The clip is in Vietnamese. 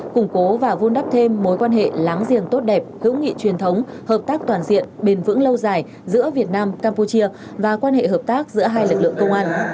củng cố và vun đắp thêm mối quan hệ láng giềng tốt đẹp hữu nghị truyền thống hợp tác toàn diện bền vững lâu dài giữa việt nam campuchia và quan hệ hợp tác giữa hai lực lượng công an